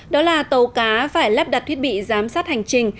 đó là tàu cá phải lắp đặt thiết bị giám sát hành trình